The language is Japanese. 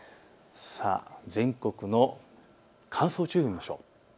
全国の乾燥注意報を見ましょう。